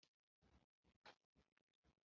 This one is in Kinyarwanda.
ubwo ntabariye i bunyabungo umwanzi anje mu ruhando